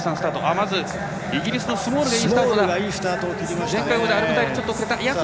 まずイギリスのスモールがいいスタートです。